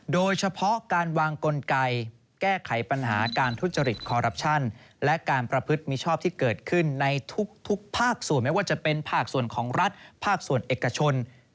โดยเฉพาะการวางกลไกแก้ไขปัญหาการทุจริตคอรัปชั่นและการประพฤติมิชอบที่เกิดขึ้นในทุกภาคส่วนไม่ว่าจะเป็นภาคส่วนของรัฐภาคส่วนเอกชน